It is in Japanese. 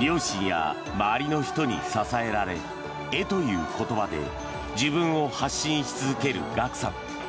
両親や周りの人に支えられ絵という言葉で自分を発信し続けるＧＡＫＵさん。